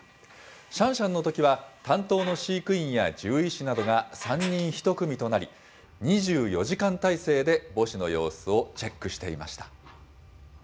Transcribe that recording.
シャンシャンのときは、担当の飼育員や獣医師などが３人１組となり、２４時間態勢で母子の様子をチェックしていました。